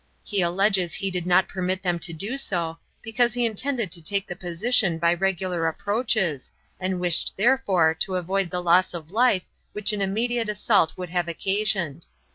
He alleges he did not permit them to do so, because he intended to take the position by regular approaches and wished therefore to avoid the loss of life which an immediate assault would have occasioned.